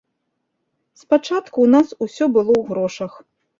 Спачатку ў нас усё было ў грошах.